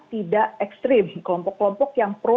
tidak ekstrim kelompok kelompok yang pro